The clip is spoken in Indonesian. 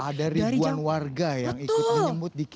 ada ribuan warga yang ikut menyebut